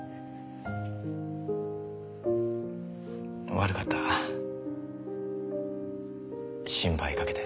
悪かった心配かけて。